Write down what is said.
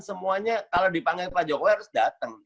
semuanya kalau dipanggil pak jokowi harus datang